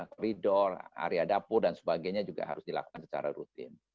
koridor area dapur dan sebagainya juga harus dilakukan secara rutin